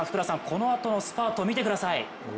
このあとのスパート見てください。